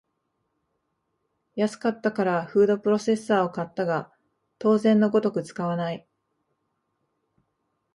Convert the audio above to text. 安かったからフードプロセッサーを買ったが当然のごとく使わない